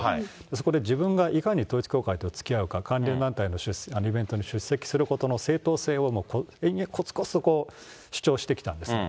そこで自分がいかに統一教会とつきあうか、関連団体のイベントに出席することの正当性をこつこつと主張してきたんですね。